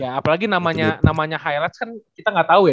ya apalagi namanya highlights kan kita nggak tahu ya